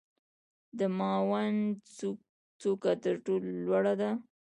د دماوند څوکه تر ټولو لوړه ده.